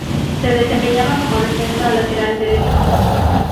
Se desempeñaba como defensa o lateral derecho.